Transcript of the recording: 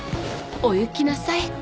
おゆきなさい。